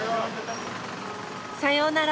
さようなら。